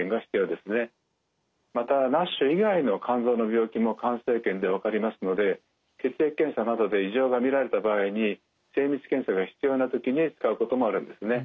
またＮＡＳＨ以外の肝臓の病気も肝生検で分かりますので血液検査などで異常が見られた場合に精密検査が必要な時に使うこともあるんですね。